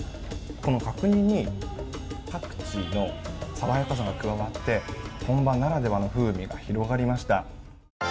この角煮にパクチーの爽やかさが加わって本場ならではの風味が広がりました。